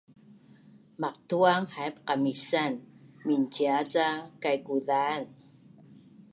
Maqtu’ang haip qamisan mincia ca kaikuzan